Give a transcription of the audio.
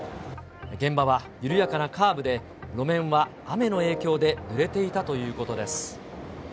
現場は緩やかなカーブで、路面は雨の影響でぬれていたということです。